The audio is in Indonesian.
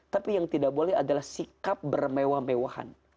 tapi yang tidak boleh adalah sikap bermewah mewahan